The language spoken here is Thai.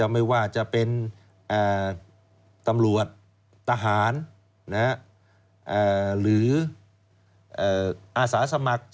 ไม่ว่าจะเป็นตำรวจทหารหรืออาสาสมัคร